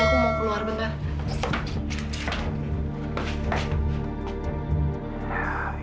ya udah aku mau keluar bentar